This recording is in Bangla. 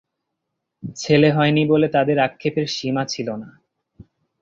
ছেলে হয়নি বলে তাদের আক্ষেপের সীমা ছিল না।